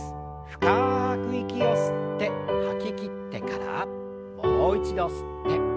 深く息を吸って吐ききってからもう一度吸って吐きましょう。